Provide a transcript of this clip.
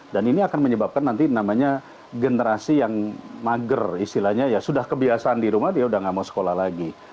dan ini akan menyebabkan nanti namanya generasi yang mager istilahnya ya sudah kebiasaan di rumah dia sudah tidak mau sekolah lagi